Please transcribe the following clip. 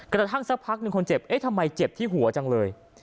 กระทั่งสักพักหนึ่งคนเจ็บเอ๊ะทำไมเจ็บที่หัวจังเลย